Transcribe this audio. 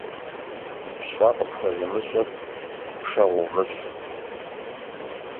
Пщӏэ къыпхуэзымыщӏыр пэшэгъу умыщӏ.